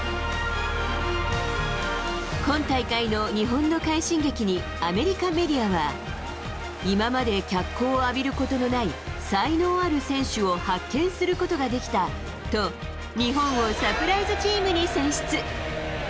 今大会の日本の快進撃にアメリカメディアは、今まで、脚光を浴びることのない才能ある選手を発見することができたと、日本をサプライズチームに選出。